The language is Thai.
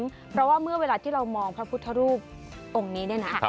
เพราะว่าเมื่อเวลาที่เรามองพระพุทธรูปองค์นี้เนี่ยนะ